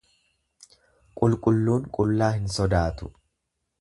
Qulqulluun qullaa hin sodaatu.